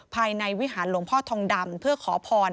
ภายในวิหารหลวงพ่อทองดำเพื่อขอพร